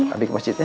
adi ke masjid ya